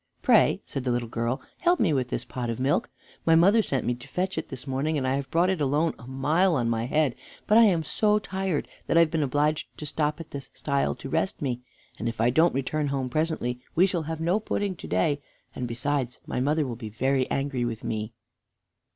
"Pray," said the little girl, "help me with this pot of milk. My mother sent me out to fetch it this morning, and I have brought it alone a mile on my head; but I am so tired that I have been obliged to stop at this stile to rest me, and if I don't return home presently we shall have no pudding to day, and, besides, my mother will be very angry with me."